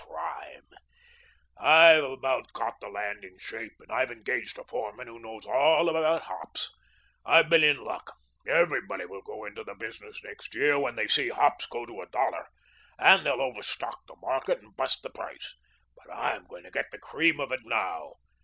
Prime. I've about got the land in shape, and I've engaged a foreman who knows all about hops. I've been in luck. Everybody will go into the business next year when they see hops go to a dollar, and they'll overstock the market and bust the price. But I'm going to get the cream of it now.